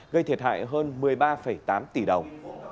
gây thiệt hại hơn một mươi ba tám tỷ đồng